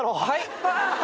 はい？